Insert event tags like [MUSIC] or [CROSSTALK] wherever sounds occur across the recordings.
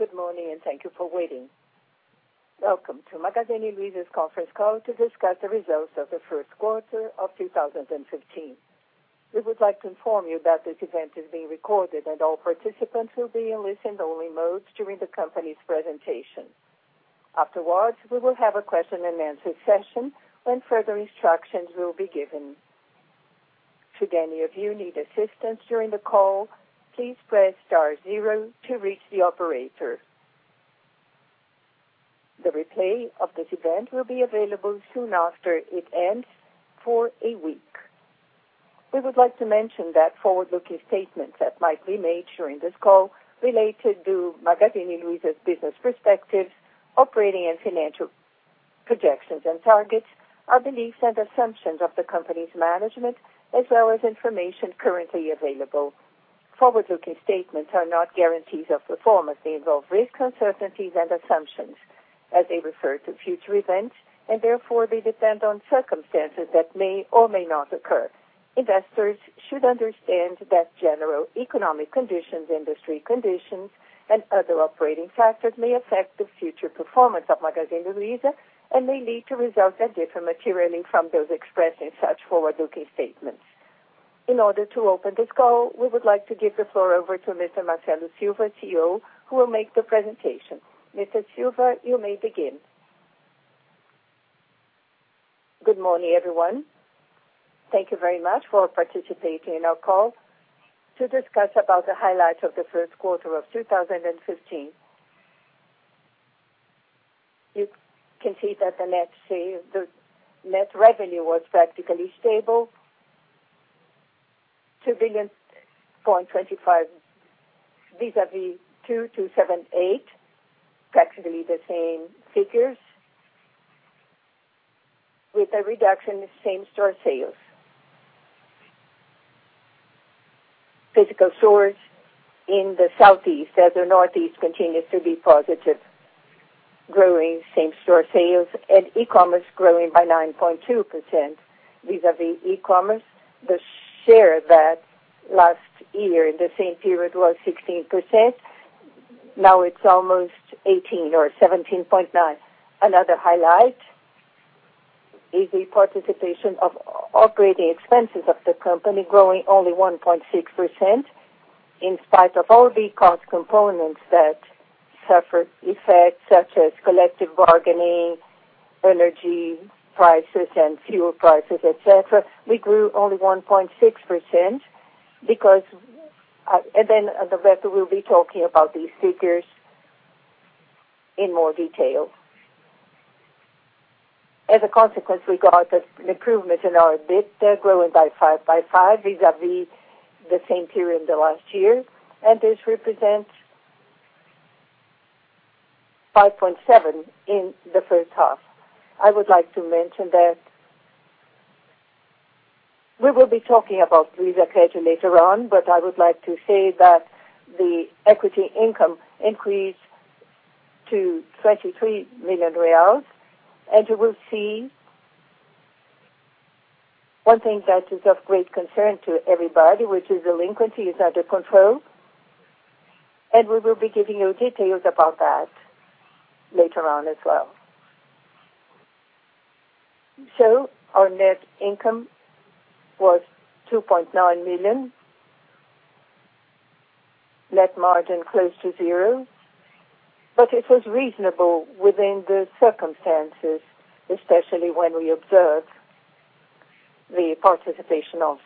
Good morning. Thank you for waiting. Welcome to Magazine Luiza's conference call to discuss the results of the first quarter of 2015. We would like to inform you that this event is being recorded, and all participants will be in listen-only mode during the company's presentation. Afterwards, we will have a question-and-answer session, when further instructions will be given. Should any of you need assistance during the call, please press star zero to reach the operator. The replay of this event will be available soon after it ends for a week. We would like to mention that forward-looking statements that might be made during this call related to Magazine Luiza's business perspectives, operating and financial projections and targets, our beliefs and assumptions of the company's management, as well as information currently available. Forward-looking statements are not guarantees of performance. They involve risks, uncertainties, and assumptions as they refer to future events. Therefore, they depend on circumstances that may or may not occur. Investors should understand that general economic conditions, industry conditions, and other operating factors may affect the future performance of Magazine Luiza and may lead to results that differ materially from those expressed in such forward-looking statements. In order to open this call, we would like to give the floor over to Mr. Marcelo Silva, CEO, who will make the presentation. Mr. Silva, you may begin. Good morning, everyone. Thank you very much for participating in our call to discuss the highlights of the first quarter of 2015. You can see that the net revenue was practically stable, BRL 2.25 billion, vis-a-vis 2.278 billion, practically the same figures, with a reduction in same-store sales. Physical stores in the Southeast, as the Northeast continues to be positive, growing same-store sales. E-commerce growing by 9.2%. Vis-a-vis e-commerce, the share that last year in the same period was 16%. Now it's almost 18% or 17.9%. Another highlight is the participation of operating expenses of the company growing only 1.6%, in spite of all the cost components that suffered effects such as collective bargaining, energy prices, fuel prices, et cetera. We grew only 1.6%. Roberto will be talking about these figures in more detail. As a consequence, we got an improvement in our EBITDA, growing by 5.5% vis-a-vis the same period last year, and this represents 5.7% in the first half. I would like to mention that we will be talking about these accounts later on. I would like to say that the equity income increased to BRL 23 million. You will see one thing that is of great concern to everybody, which is delinquency is under control. We will be giving you details about that later on as well. Our net income was BRL 2.9 million. Net margin close to zero. It was reasonable within the circumstances, especially when we observe the participation of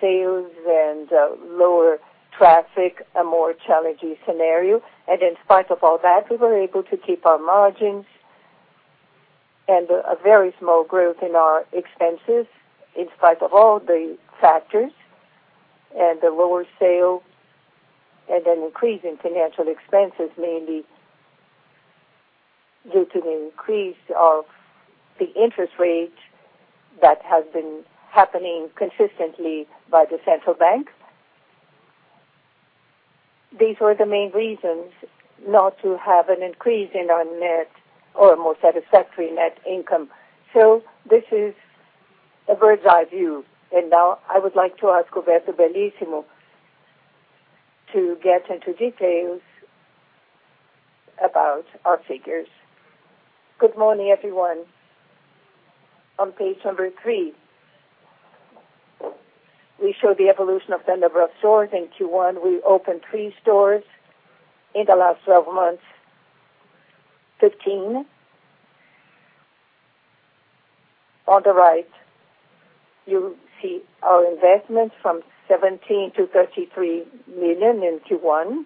sales and lower traffic, a more challenging scenario. In spite of all that, we were able to keep our margins and a very small growth in our expenses in spite of all the factors and the lower sale, an increase in financial expenses, mainly due to the increase of the interest rate that has been happening consistently by the central bank. These were the main reasons not to have an increase in our net or a more satisfactory net income. This is a bird's-eye view. Now I would like to ask Roberto Bellissimo to get into details about our figures. Good morning, everyone. On page three, we show the evolution of the number of stores. In Q1, we opened three stores. In the last 12 months, 15. On the right, you see our investments from 17 million to 33 million in Q1,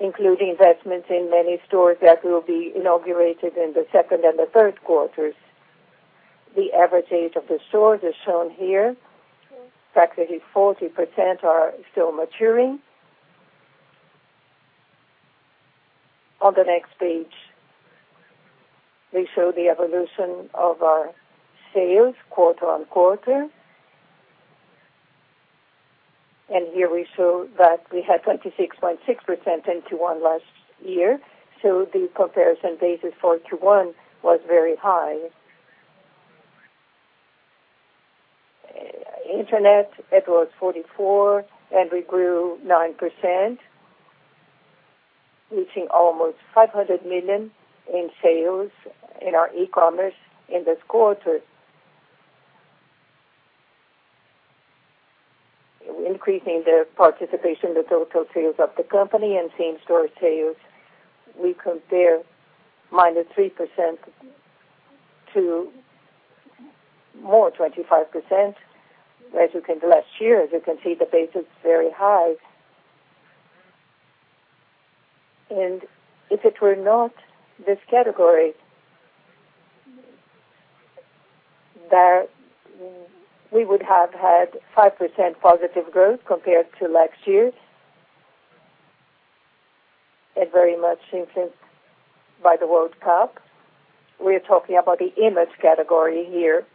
including investments in many stores that will be inaugurated in the second and third quarters. The average age of the stores is shown here. Practically 40% are still maturing. On the next page, we show the evolution of our sales quarter-on-quarter. Here we show that we had 26.6% in Q1 last year. The comparison basis for Q1 was very high. Internet, it was 44%, and we grew 9%, reaching almost 500 million in sales in our e-commerce in this quarter. Increasing the participation in the total sales of the company and same-store sales, we compare -3% to more than 25%. As you can see, last year, the base is very high. If it were not this category, we would have had 5% positive growth compared to last year. Very much influenced by the World Cup. We are talking about the image category here.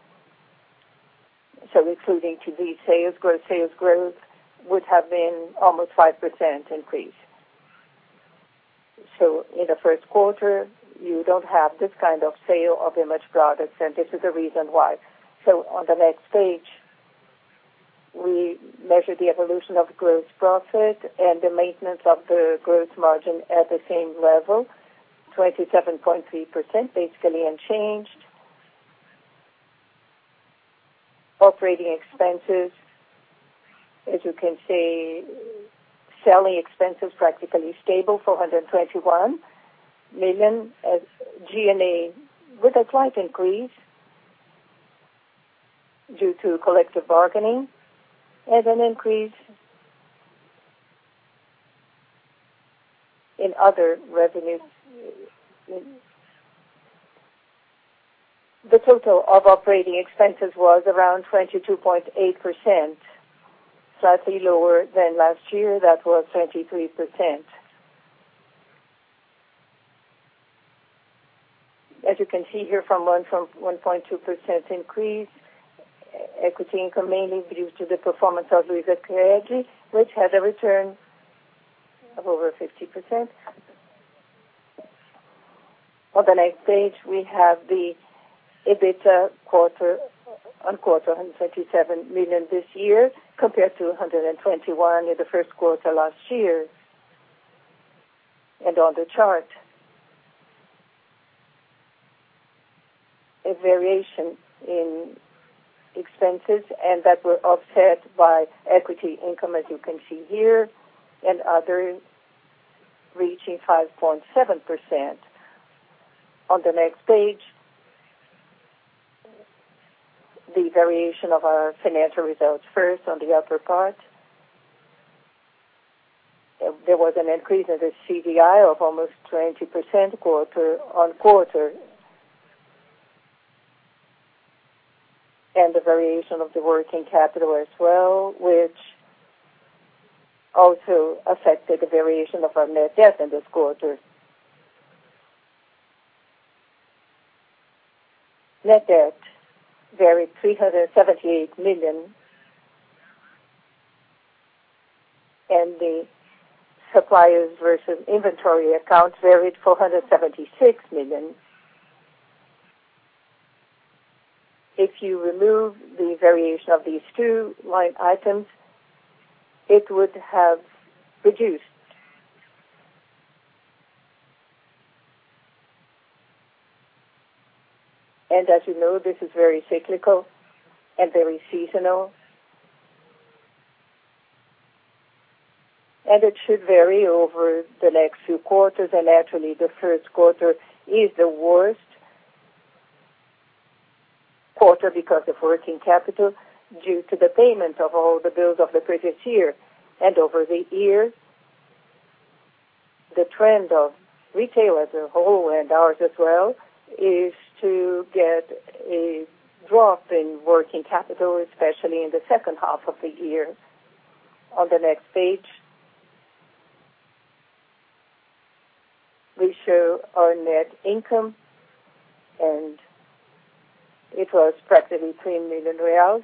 Including TV sales, gross sales growth would have been almost a 5% increase. In the first quarter, you don't have this kind of sale of image products, and this is the reason why. On the next page, we measure the evolution of gross profit and the maintenance of the gross margin at the same level, 27.3%, basically unchanged. Operating expenses, as you can see, selling expenses practically stable, 421 million as SG&A with a slight increase due to collective bargaining and an increase in other revenues. The total of operating expenses was around 22.8%, slightly lower than last year. That was 23%. As you can see here from 1.2% increase, equity income mainly due to the performance of Luizacred, which had a return of over 50%. On the next page, we have the EBITDA quarter-on-quarter, 137 million this year compared to 121 million in the first quarter last year. On the chart, a variation in expenses that were offset by equity income, as you can see here, and others, reaching 5.7%. On the next page, the variation of our financial results first on the upper part. There was an increase in the CDI of almost 20% quarter-on-quarter. The variation of the working capital as well, which also affected the variation of our net debt in this quarter. Net debt varied BRL 378 million, and the suppliers versus inventory accounts varied 476 million. If you remove the variation of these two line items, it would have reduced. As you know, this is very cyclical and very seasonal. It should vary over the next few quarters. Naturally, the first quarter is the worst quarter because of working capital due to the payment of all the bills of the previous year. Over the years, the trend of retail as a whole, and ours as well, is to get a drop in working capital, especially in the second half of the year. On the next page, we show our net income, and it was practically BRL 3 million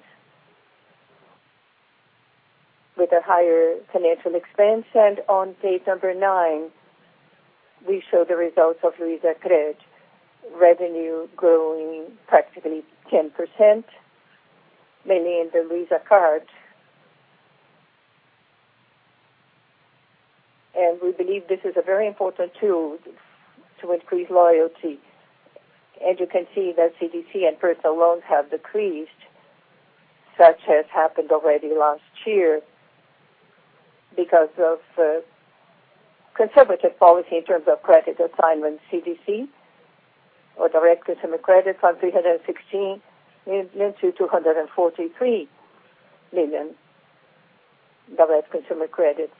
with a higher financial expense. On page 9, we show the results of Luizacred. Revenue growing practically 10%, mainly in the Cartão Luiza. We believe this is a very important tool to increase loyalty. As you can see, the CDC and personal loans have decreased. Such has happened already last year because of conservative policy in terms of credit assignment, CDC or direct consumer credit, from 316 million to 243 million direct consumer credit.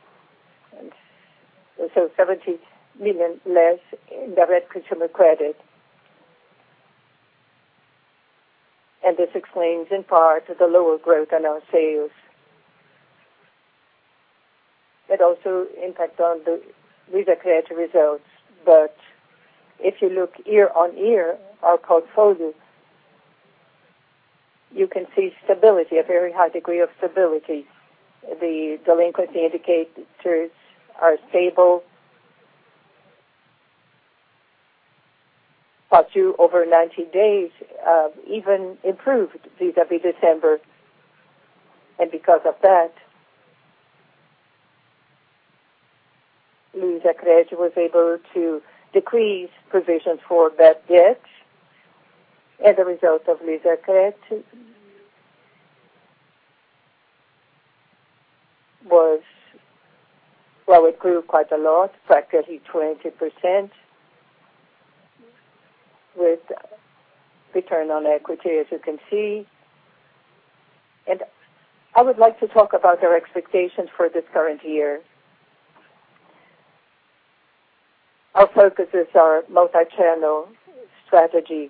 So 70 million less in direct consumer credit. This explains, in part, the lower growth in our sales. It also impacts on the Luizacred results. If you look year-on-year, our portfolio. You can see stability, a very high degree of stability. The delinquency indicators are stable. Past due over 90 days even improved vis-à-vis December. Because of that, Luizacred was able to decrease provisions for bad debt. The result of Luizacred was, well, it grew quite a lot, practically 20%, with return on equity, as you can see. I would like to talk about our expectations for this current year. Our focus is our multi-channel strategy.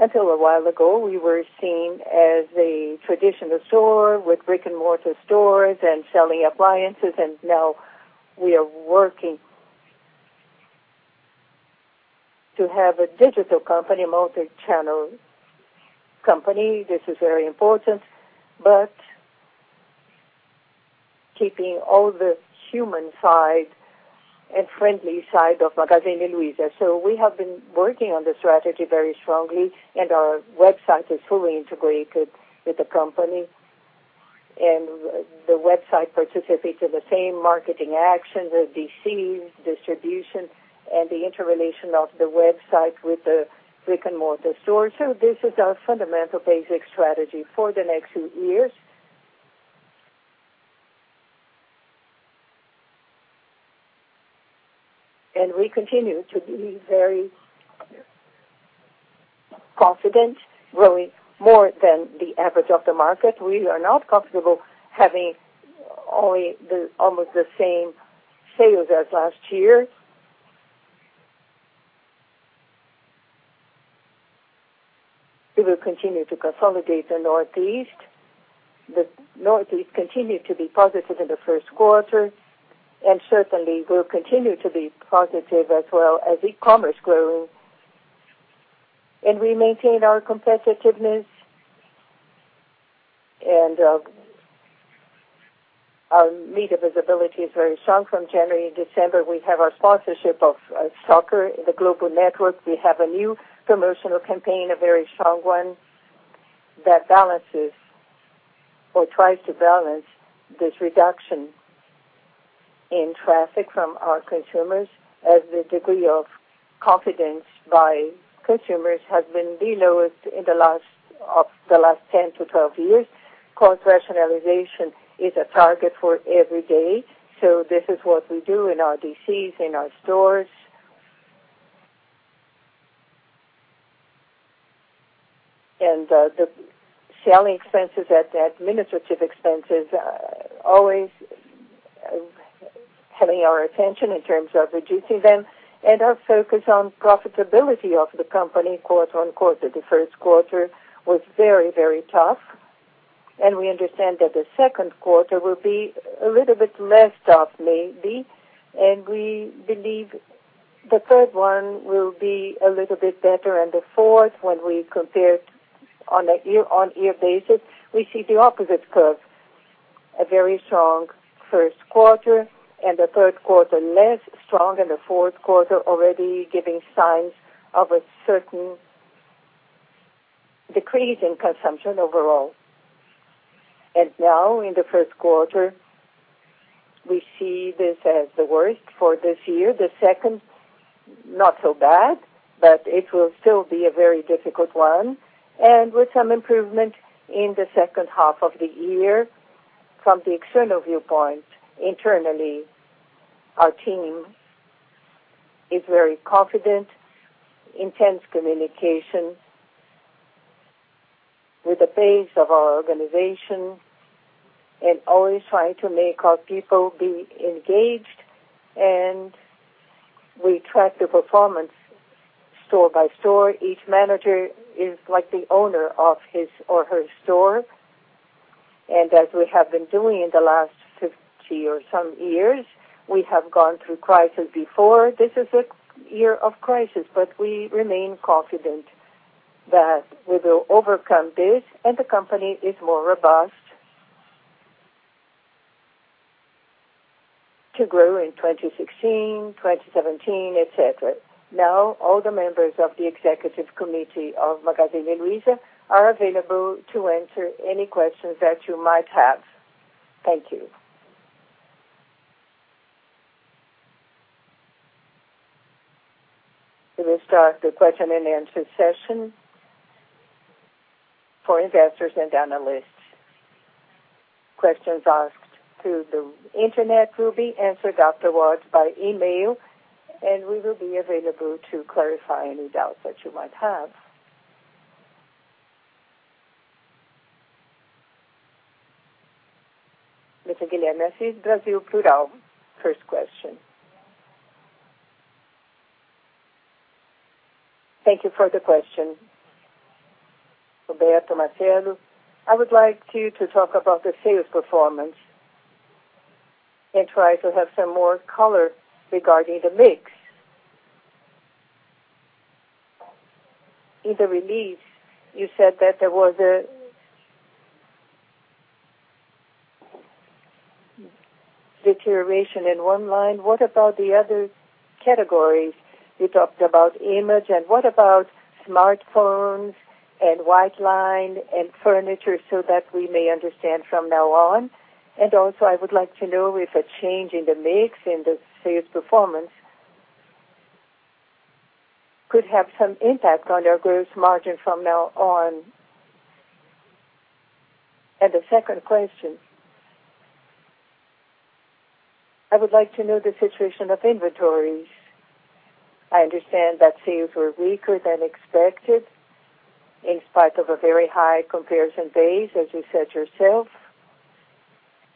Until a while ago, we were seen as a traditional store with brick-and-mortar stores and selling appliances. Now we are working to have a digital company, multi-channel company. This is very important. Keeping all the human side and friendly side of Magazine Luiza. We have been working on the strategy very strongly. Our website is fully integrated with the company. The website participates in the same marketing actions as DCs, distribution, and the interrelation of the website with the brick-and-mortar stores. This is our fundamental basic strategy for the next few years. We continue to be very confident, growing more than the average of the market. We are not comfortable having only almost the same sales as last year. We will continue to consolidate the Northeast. The Northeast continued to be positive in the first quarter. Certainly will continue to be positive as well as e-commerce growing. We maintain our competitiveness. Our media visibility is very strong. From January to December, we have our sponsorship of soccer in the global network. We have a new promotional campaign, a very strong one, that balances or tries to balance this reduction in traffic from our consumers as the degree of confidence by consumers has been the lowest of the last 10 to 12 years. Cost rationalization is a target for every day. This is what we do in our DCs, in our stores. The selling expenses and the administrative expenses always having our attention in terms of reducing them, and our focus on profitability of the company quarter-on-quarter. The first quarter was very, very tough. We understand that the second quarter will be a little bit less tough maybe. We believe the third one will be a little bit better. The fourth, when we compare on a year-on-year basis, we see the opposite curve. A very strong first quarter. The third quarter less strong. The fourth quarter already giving signs of a certain decrease in consumption overall. Now in the first quarter, we see this as the worst for this year. The second, not so bad, but it will still be a very difficult one. With some improvement in the second half of the year from the external viewpoint. Internally, our team is very confident, intense communication with the base of our organization and always trying to make our people be engaged. We track the performance store by store. Each manager is like the owner of his or her store. As we have been doing in the last 50 or some years, we have gone through crisis before. This is a year of crisis. We remain confident that we will overcome this. The company is more robust to grow in 2016, 2017, et cetera. All the members of the executive committee of Magazine Luiza are available to answer any questions that you might have. Thank you. We will start the question-and-answer session for investors and analysts. Questions asked through the internet will be answered afterwards by email. We will be available to clarify any doubts that you might have. Mr. Guilherme Assis, Brasil Plural. First question. Thank you for the question. Roberto Marcelo, I would like you to talk about the sales performance. Try to have some more color regarding the mix. In the release, you said that there was a deterioration in one line. What about the other categories? You talked about image. What about smartphones and white line and furniture so that we may understand from now on? Also, I would like to know if a change in the mix in the sales performance could have some impact on your gross margin from now on. The second question, I would like to know the situation of inventories. I understand that sales were weaker than expected in spite of a very high comparison base, as you said yourself,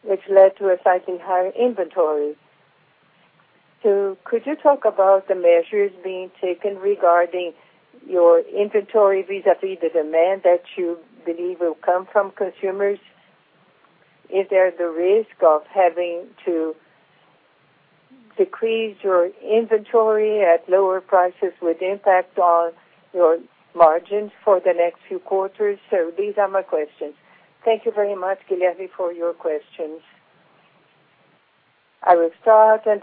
which led to a slightly higher inventory. Could you talk about the measures being taken regarding your inventory vis-à-vis the demand that you believe will come from consumers? Is there the risk of having to decrease your inventory at lower prices would impact on your margins for the next few quarters? These are my questions. Thank you very much, Guilherme, for your questions. I will start. Then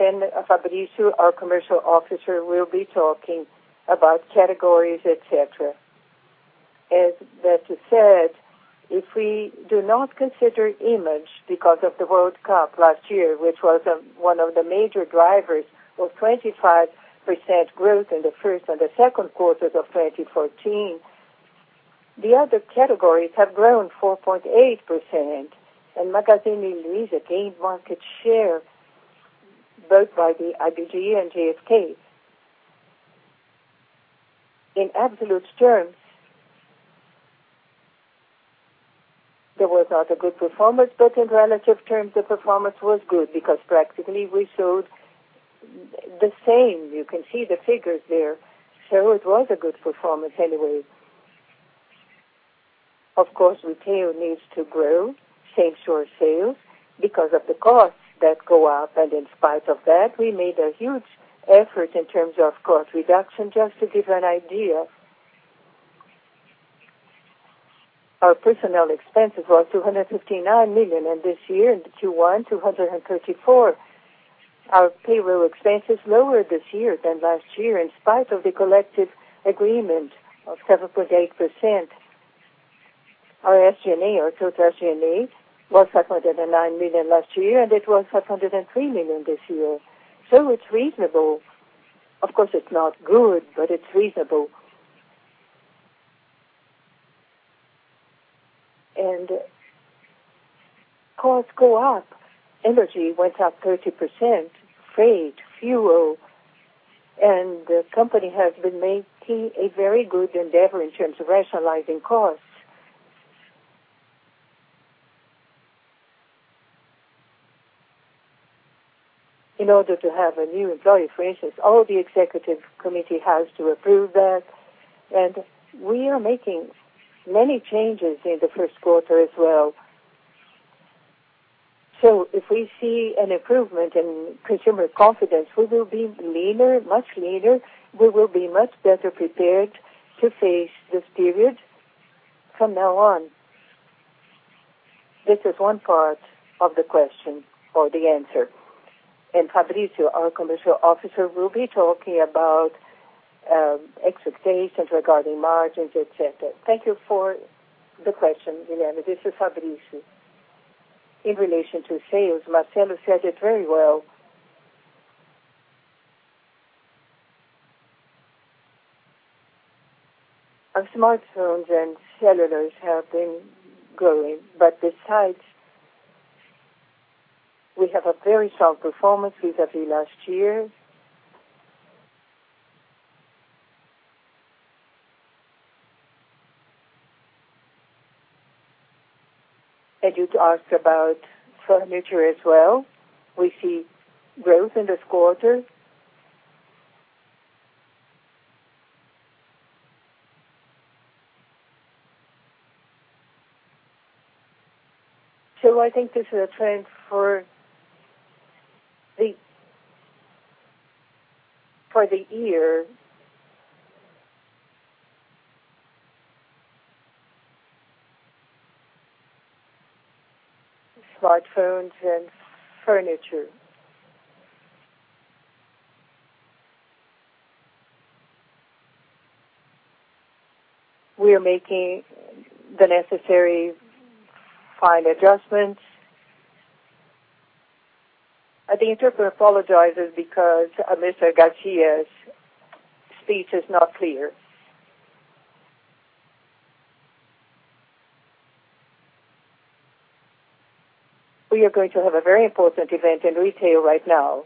Fabrício, our commercial officer, will be talking about categories, et cetera. As [Assis] said, if we do not consider image because of the World Cup last year, which was one of the major drivers of 25% growth in the first and the second quarters of 2014, the other categories have grown 4.8%. Magazine Luiza gained market share both by the IBGE and GfK. In absolute terms, there was not a good performance. In relative terms, the performance was good because practically we showed the same. You can see the figures there. It was a good performance anyway. Of course, retail needs to grow same-store sales because of the costs that go up. In spite of that, we made a huge effort in terms of cost reduction. Just to give you an idea, our personnel expenses were 259 million, and this year in Q1, 234 million. Our payroll expense is lower this year than last year in spite of the collective agreement of 7.8%. Our SG&A, our total SG&A, was 509 million last year, and it was 503 million this year. It's reasonable. Of course, it's not good, but it's reasonable. Costs go up. Energy went up 30%, freight, fuel, and the company has been making a very good endeavor in terms of rationalizing costs. In order to have a new employee, for instance, all the executive committee has to approve that, and we are making many changes in the first quarter as well. If we see an improvement in consumer confidence, we will be leaner, much leaner. We will be much better prepared to face this period from now on. This is one part of the question or the answer. Fabrício, our Commercial Officer, will be talking about expectations regarding margins, et cetera. Thank you for the question, Guilherme. This is Fabrício. In relation to sales, Marcelo said it very well. Our smartphones and cellulars have been growing, besides, we have a very strong performance vis-à-vis last year. You talked about furniture as well. We see growth in this quarter. I think this is a trend for the year. Smartphones and furniture. We are making the necessary fine adjustments. The interpreter apologizes because Mr. Garcia's speech is not clear. We are going to have a very important event in retail right now.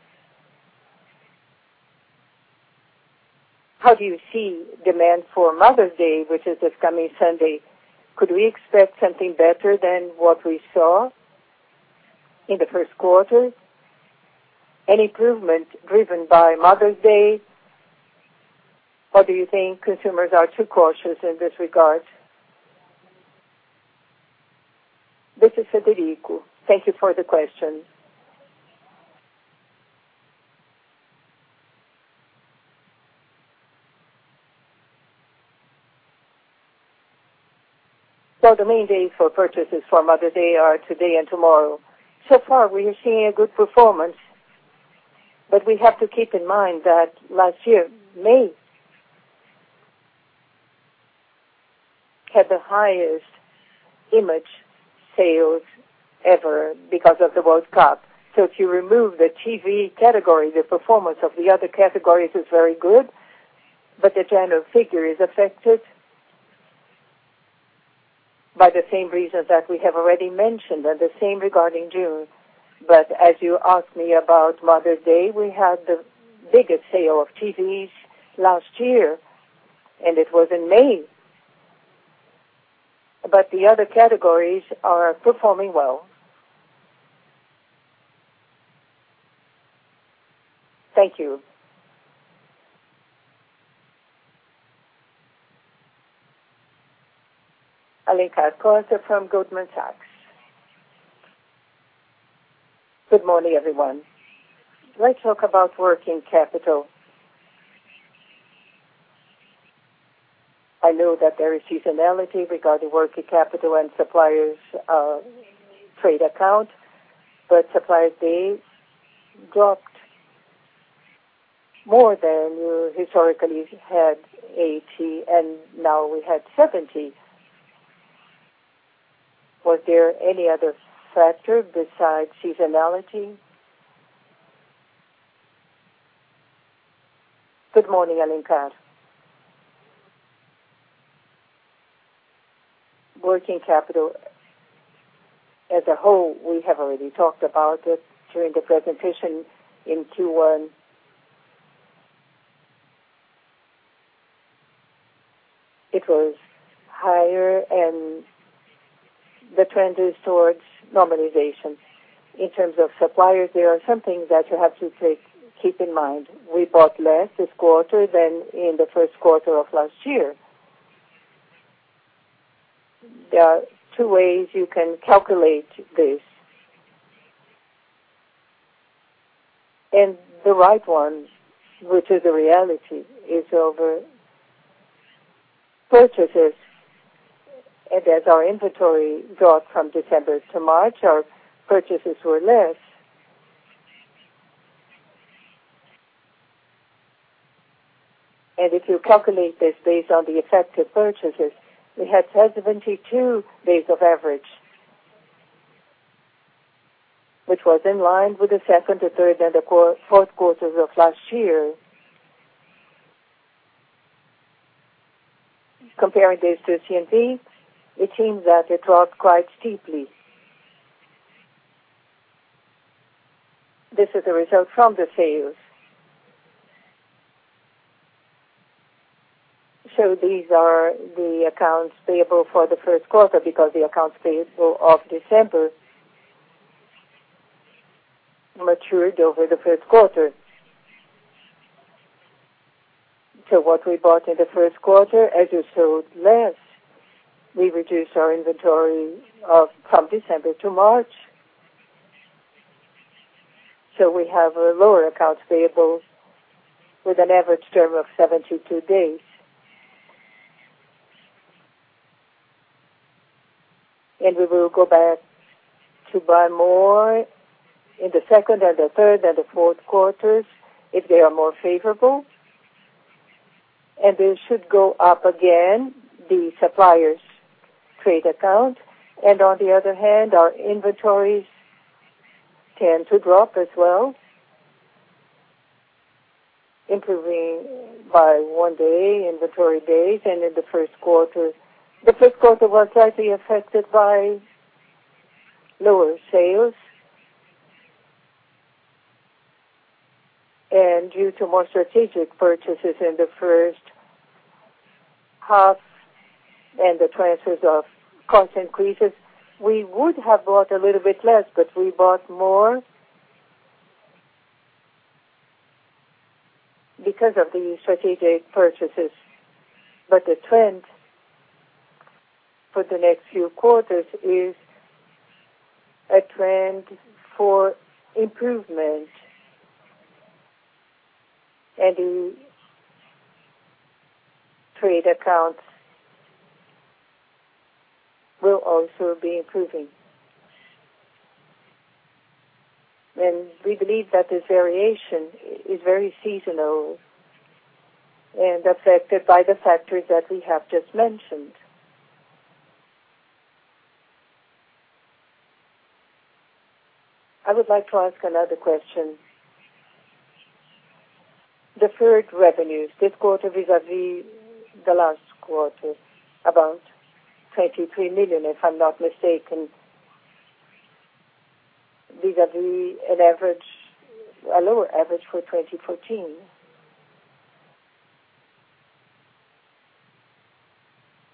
How do you see demand for Mother's Day, which is this coming Sunday? Could we expect something better than what we saw in the first quarter? Any improvement driven by Mother's Day, or do you think consumers are too cautious in this regard? This is Frederico. Thank you for the question. The main days for purchases for Mother's Day are today and tomorrow. So far, we are seeing a good performance, we have to keep in mind that last year, May had the highest image sales ever because of the World Cup. If you remove the TV category, the performance of the other categories is very good, the general figure is affected by the same reasons that we have already mentioned, and the same regarding June. As you asked me about Mother's Day, we had the biggest sale of TVs last year, and it was in May. The other categories are performing well. Thank you. Alencar Costa from Goldman Sachs. Good morning, everyone. Let's talk about working capital. I know that there is seasonality regarding working capital and suppliers trade account, suppliers' days dropped more than we historically had 80 days, and now we had 70 days. Was there any other factor besides seasonality? Good morning, Alencar. Working capital as a whole, we have already talked about it during the presentation. In Q1, it was higher, and the trend is towards normalization. In terms of suppliers, there are some things that you have to keep in mind. We bought less this quarter than in the first quarter of last year. There are two ways you can calculate this. The right one, which is a reality, is over purchases. As our inventory dropped from December to March, our purchases were less. If you calculate this based on the effective purchases, we had 72 days of average, which was in line with the second, third, and fourth quarters of last year. Comparing this to CMV, it seems that it dropped quite steeply. This is the result from the sales. These are the accounts payable for the first quarter because the accounts payable of December matured over the first quarter. What we bought in the first quarter, as we sold less, we reduced our inventory from December to March. We have a lower accounts payable with an average term of 72 days. We will go back to buy more in the second, third, and fourth quarters if they are more favorable. This should go up again, the suppliers' trade account. On the other hand, our inventories tend to drop as well, improving by one day, inventory days, in the first quarter. The first quarter was slightly affected by lower sales. Due to more strategic purchases in the first half and the transfers of cost increases, we would have bought a little bit less, but we bought more because of the strategic purchases. The trend for the next few quarters is a trend for improvement. The trade accounts will also be improving. We believe that this variation is very seasonal and affected by the factors that we have just mentioned. I would like to ask another question. Deferred revenues this quarter vis-a-vis the last quarter, about 23 million, if I'm not mistaken. Vis-a-vis a lower average for 2014.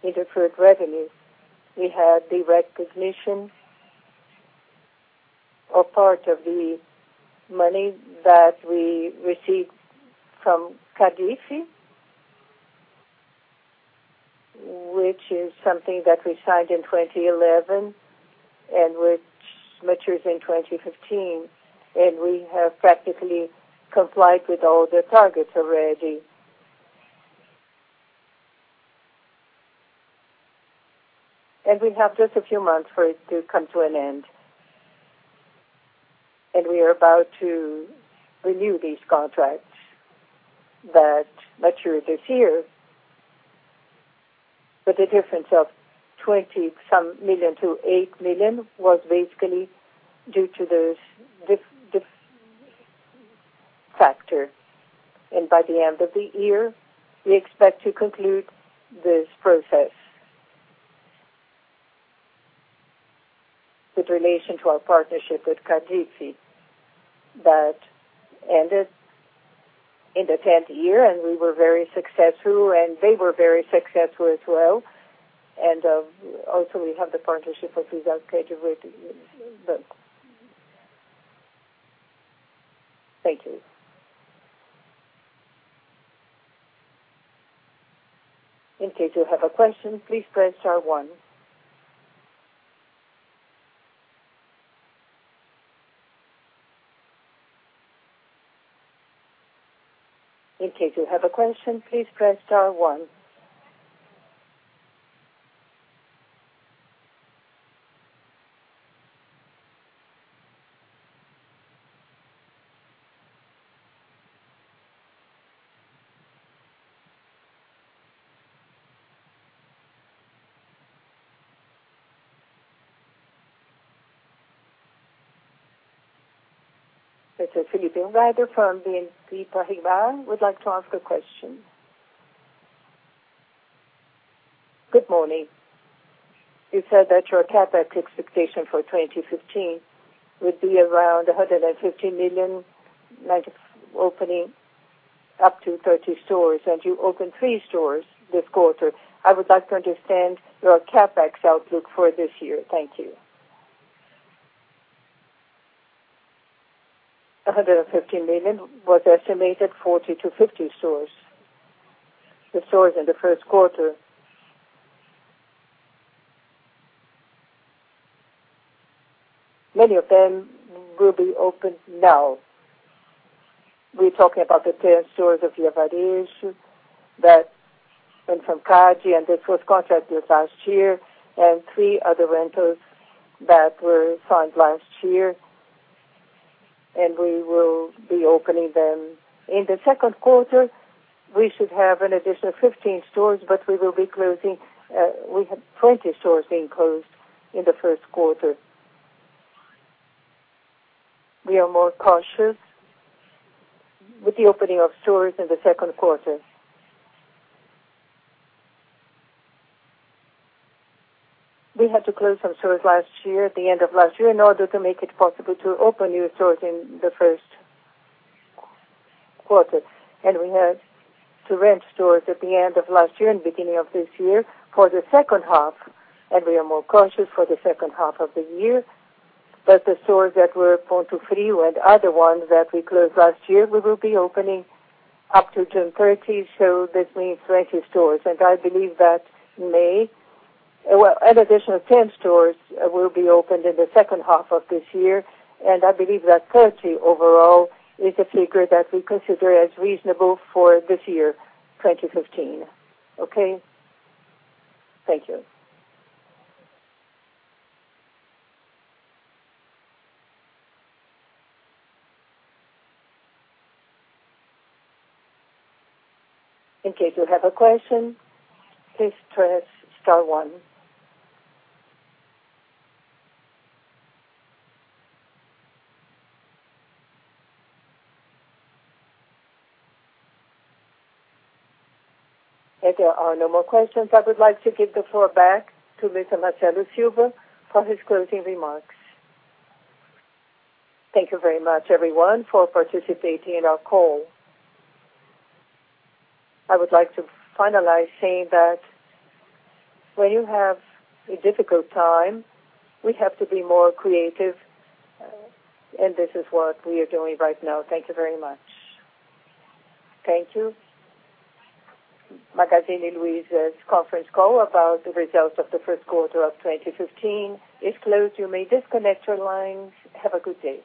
In deferred revenues, we had the recognition Or part of the money that we received from Cardif, which is something that we signed in 2011 and which matures in 2015, and we have practically complied with all the targets already. We have just a few months for it to come to an end. We are about to renew these contracts that mature this year. The difference of 20-some million to 8 million was basically due to this factor. By the end of the year, we expect to conclude this process. With relation to our partnership with Cardif that ended in the 10th year, we were very successful, and they were very successful as well. Also we have the partnership with Thank you. Mr. Felipe Rogado from NNP Paribas would like to ask a question. Good morning. You said that your CapEx expectation for 2015 would be around 150 million, like opening up to 30 stores, and you opened three stores this quarter. I would like to understand your CapEx outlook for this year. Thank you. 150 million was estimated 40 to 50 stores. The stores in the first quarter. Many of them will be opened now. We are talking about the 10 stores of Leroy Merlin that and from, [INAUDIBLE] and this was contracted last year, and three other rentals that were signed last year. We will be opening them in the second quarter. We should have an additional 15 stores, but we have 20 stores being closed in the first quarter. We are more cautious with the opening of stores in the second quarter. We had to close some stores last year, at the end of last year, in order to make it possible to open new stores in the first quarter. We had to rent stores at the end of last year and beginning of this year for the second half, and we are more cautious for the second half of the year. The stores that were Ponto Frio and other ones that we closed last year, we will be opening up to June 30. This means 20 stores. Well, an additional 10 stores will be opened in the second half of this year, and I believe that 30 overall is a figure that we consider as reasonable for this year, 2015. Okay? Thank you. In case you have a question, please press star one. If there are no more questions, I would like to give the floor back to Mr. Marcelo Silva for his closing remarks. Thank you very much, everyone, for participating in our call. I would like to finalize saying that when you have a difficult time, we have to be more creative, and this is what we are doing right now. Thank you very much. Thank you. Magazine Luiza's conference call about the results of the first quarter of 2015 is closed. You may disconnect your lines. Have a good day.